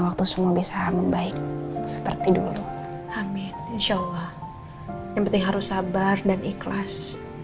aku semua bisa membaik seperti dulu amin insyaallah yang penting harus sabar dan ikhlas